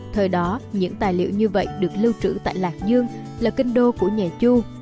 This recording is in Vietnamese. thời đó những tài liệu như vậy được lưu trữ tại lạc dương là kinh đô của nhà chu